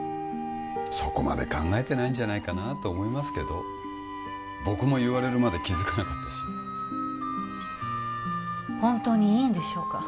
そこまで考えてないんじゃないかなと思いますけど僕も言われるまで気づかなかったし本当にいいんでしょうか？